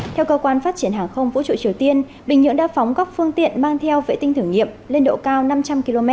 theo cơ quan phát triển hàng không vũ trụ triều tiên bình nhưỡng đã phóng các phương tiện mang theo vệ tinh thử nghiệm lên độ cao năm trăm linh km